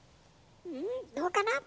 んどうかな？